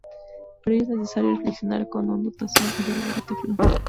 Para ello es necesario ""reflexionar con hondo tazón, y verdadero teflón"".